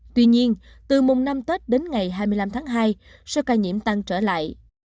tuy nhiên từ mùng năm tết đến ngày hai mươi năm tháng hai số ca nhiễm tăng trở lại